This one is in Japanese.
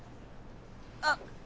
あっ！